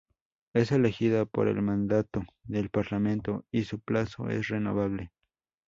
Es elegido por el mandato del Parlamento y su plazo es renovable.